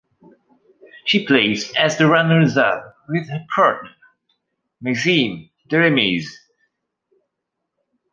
She placed as the runners up with her partner, Maxime Dereymez.